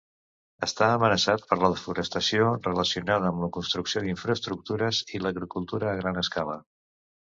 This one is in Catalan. Està amenaçat per la desforestació relacionada amb la construcció d'infraestructures i l'agricultura a gran escala.